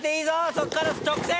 そこから直線！